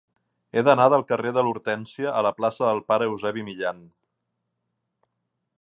He d'anar del carrer de l'Hortènsia a la plaça del Pare Eusebi Millan.